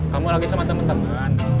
kamu lagi sama temen temen